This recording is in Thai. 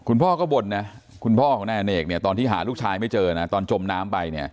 คุณพอก็บนคุณพออาาณเนคตอนที่หาลูกชายไปจมน้ำ